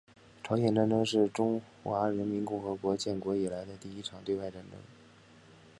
朝鲜战争是中华人民共和国建国以来的第一场对外战争。